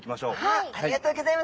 はいありがとうギョざいます。